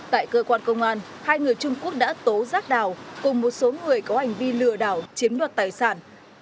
tại cơ quan công an hai người trung quốc đã tố rác đào cùng một số người có hành vi lừa đảo chiếm đoạt tài sản